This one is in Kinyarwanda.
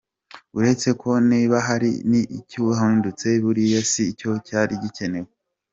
Uretse ko niba hari n’icyahindutse buriya si cyo cyari gikenewe.